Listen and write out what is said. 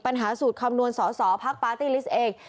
ปัญหาสูตรคำนวณสอภาคปาร์ตี้ลิสต์เอง